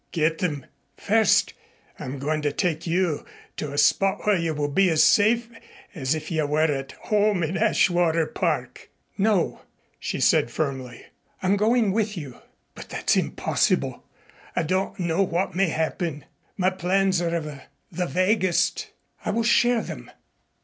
"Get them. First, I'm going to take you to a spot where you will be as safe as if you were at home in Ashwater Park." "No," she said firmly, "I'm going with you." "But that's impossible. I don't know what may happen. My plans are of the vaguest " "I will share them.